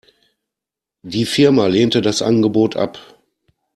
Die Firma lehnte das Angebot ab.